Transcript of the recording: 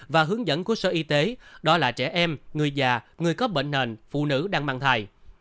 và hướng dẫn của sở y tế đó là trẻ em người già người có bệnh nền phụ nữ đang mang thai